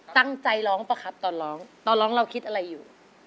ตั้งใจร้องป่ะครับตอนร้องตอนร้องเราคิดอะไรอยู่